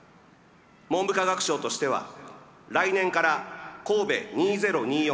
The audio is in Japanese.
文部科学省としては来年から神戸２０２４